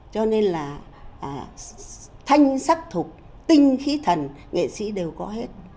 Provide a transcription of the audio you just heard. cho nên là thanh sắc thục tinh khí thần nghệ sĩ đều có hết